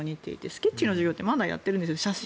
スケッチの授業ってまだやってるんですよ。